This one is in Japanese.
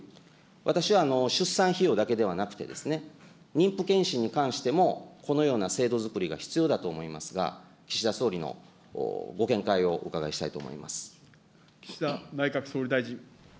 私は出産費用だけではなくて、妊婦健診に関しても、このような制度づくりが必要だと思いますが、岸田総理のご見解をお伺いしたいと思います。